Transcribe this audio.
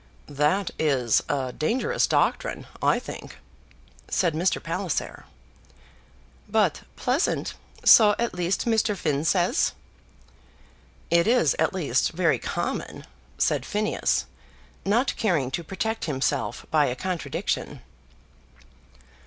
"That is a dangerous doctrine, I think," said Mr. Palliser. "But pleasant, so at least Mr. Finn says." "It is at least very common," said Phineas, not caring to protect himself by a contradiction.